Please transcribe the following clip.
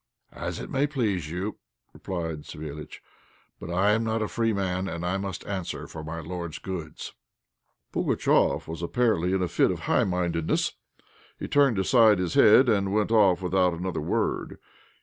"As it may please you!" replied Savéliitch. "But I am not a free man, and I must answer for my lord's goods." Pugatchéf was apparently in a fit of high mindedness. He turned aside his head, and went off without another word.